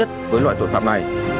cao nhất với loại tội phạm này